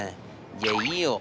じゃあいいよ』。